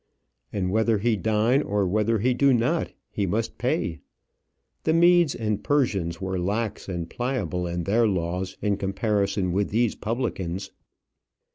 And whether he dine, or whether he do not, he must pay. The Medes and Persians were lax and pliable in their laws in comparison with these publicans.